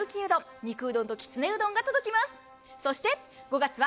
肉うどんときつねうどんが届きます。